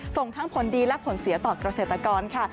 ส่งทั้งผลดีและผลเสียต่อเกษตรกรค่ะ